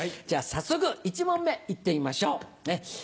じゃ早速１問目行ってみましょう。